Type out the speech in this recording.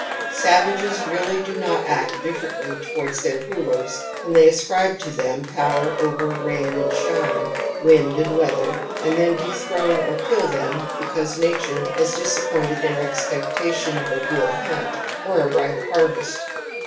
Savages really do not act differently towards their rulers when they ascribe to them power over rain and shine, wind and weather, and then dethrone or kill them because nature has disappointed their expectation of a good hunt or a ripe harvest.